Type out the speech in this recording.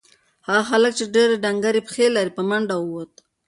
هغه هلک چې ډنگرې پښې لري په منډه ووت.